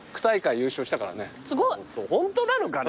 ホントなのかね